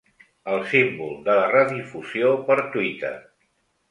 El símbol de la redifusió per Twitter.